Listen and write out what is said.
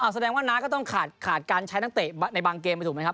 แสดงว่าน้าก็ต้องขาดการใช้นักเตะในบางเกมไปถูกไหมครับ